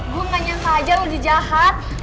gue nggak nyangka aja lo di jahat